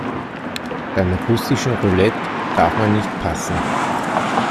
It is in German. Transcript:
Beim russischen Roulette darf man nicht passen.